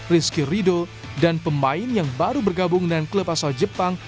rizky rido dan pemain yang baru bergabung dengan klub asal jepang